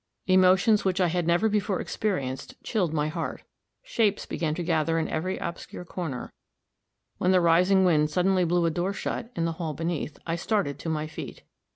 Emotions which I had never before experienced chilled my heart; shapes began to gather in every obscure corner; when the rising wind suddenly blew a door shut, in the hall beneath, I started to my feet.